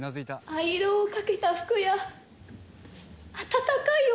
アイロンをかけた服や温かいお風呂。